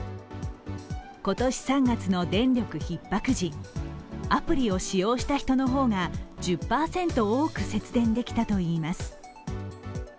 今年３月の電力ひっ迫時、アプリを使用した人の方が１０％多く節電できたといいます。